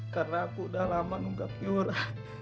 karena aku sudah lama menunggu yura